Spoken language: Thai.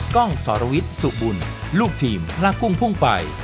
กล้องสรวิทย์สุบุญลูกทีมพระกุ้งพุ่งไป